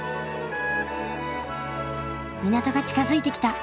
港が近づいてきた。